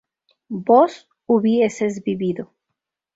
vos hubieses vivido